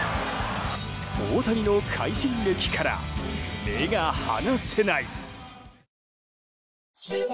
大谷の快進撃から目が離せない！